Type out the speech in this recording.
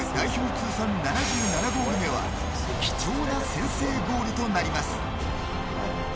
通算７７ゴール目は貴重な先制ゴールとなります。